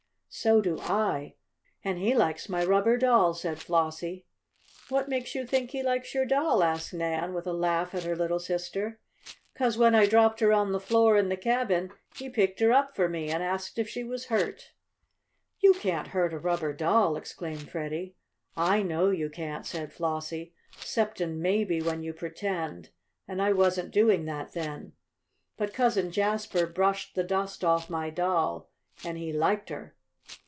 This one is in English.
"So do I. And he likes my rubber doll," said Flossie. "What makes you think he likes your doll?" asked Nan, with a laugh at her little sister. "'Cause when I dropped her on the floor in the cabin he picked her up for me and asked if she was hurt." "You can't hurt a rubber doll!" exclaimed Freddie. "I know you can't," said Flossie, "'ceptin' maybe when you pretend, and I wasn't doing that then. But Cousin Jasper brushed the dust off my doll, and he liked her."